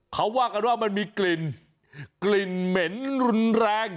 เขาว่ากันว่ามันมีกลิ่นกลิ่นเหม็นรุนแรง